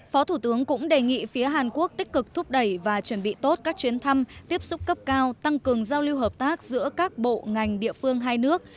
phó thủ tướng cũng đề nghị phía hàn quốc tích cực thúc đẩy và chuẩn bị tốt các chuyến thăm tiếp xúc cấp cao tăng cường giao lưu hợp tác giữa các bộ ngành địa phương hai nước